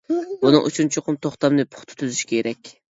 بۇنىڭ ئۈچۈن چوقۇم توختامنى پۇختا تۈزۈش كېرەك.